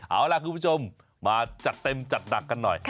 เอาล่ะคุณผู้ชมมาจัดเต็มจัดหนักกันหน่อย